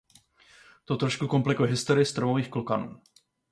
To trošku komplikuje historii stromových klokanů.